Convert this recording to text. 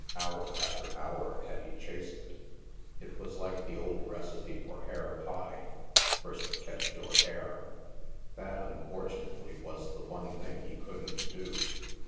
Hour after hour had he chased it. It was like the old recipe for hare pie, " first catch your hare." That, unfortunately, was the one thing he couldn't do.